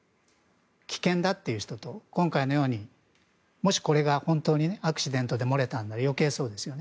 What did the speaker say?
危険だという人と今回のように、もしこれが本当にアクシデントで漏れたなら余計そうですよね。